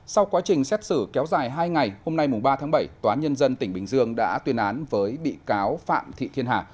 sau quá trình xét xử kéo dài hai ngày hôm nay ba tháng bảy tòa nhân dân tỉnh bình dương đã tuyên án với bị cáo phạm thị thiên hà